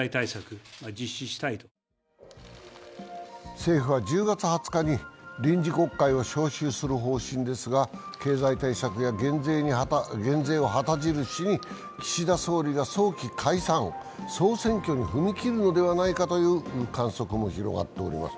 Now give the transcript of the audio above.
政府は１０月２０日に臨時国会を召集する方針ですが、経済対策や減税を旗印に岸田総理が早期の解散、総選挙に踏み切るのではないかという観測も広がっています。